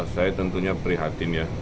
saya tentunya prihatin ya